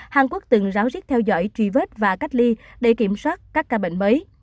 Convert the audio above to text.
hàn quốc từng ráo riết theo dõi truy vết và cách ly để kiểm soát các ca bệnh mới